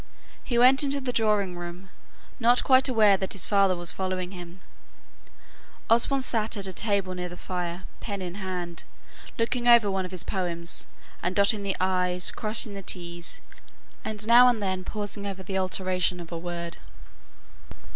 He went into the drawing room, not quite aware that his father was following him. Osborne sate at a table near the fire, pen in hand, looking over one of his poems, and dotting the i's, crossing the t's, and now and then pausing over the alteration of a word.